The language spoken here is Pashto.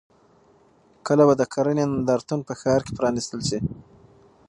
کله به د کرنې نندارتون په ښار کې پرانیستل شي؟